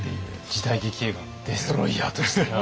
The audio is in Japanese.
時代劇映画のデストロイヤーとして。